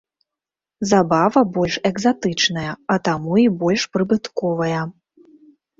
Забава больш экзатычная, а таму і больш прыбытковая.